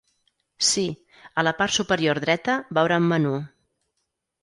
Sí, a la part superior dreta veurà un menú.